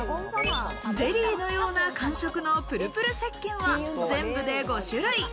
ゼリーのような感触のプルプル石鹸は全部で５種類。